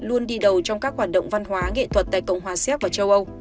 luôn đi đầu trong các hoạt động văn hóa nghệ thuật tại cộng hòa xéc và châu âu